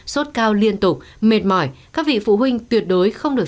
sốt cao liên tục mệt mỏi các vị phụ huynh tuyệt đối không được